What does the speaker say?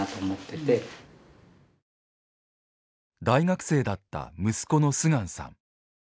大学生だった息子の秀光さん。